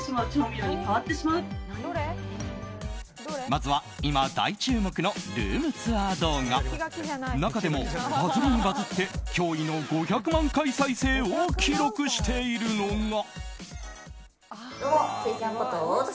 まずは今、大注目のルームツアー動画中でもバズりにバズって驚異の５００万回再生を記録しているのが。